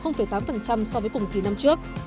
giảm tám so với cùng kỳ năm trước